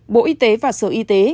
bộ y tế và sở y tế